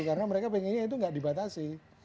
karena mereka pengennya itu gak dibatasi